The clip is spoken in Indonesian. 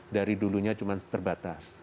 dari dulunya cuma terbatas